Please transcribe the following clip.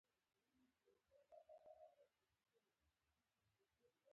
کوڅه ډب او لنډه غر راته وایي.